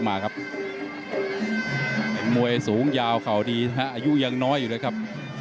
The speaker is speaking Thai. มวยสูงยาวเข่าดีอายุยังน้อยอยู่เลยครับ